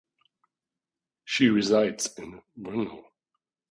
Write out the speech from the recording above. She resides in Brno.